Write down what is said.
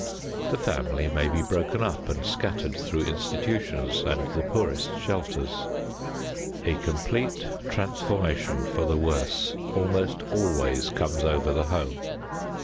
The family may be broken up and scattered through institutions and the poorest shelters. A complete transformation for the worse almost always comes over the home.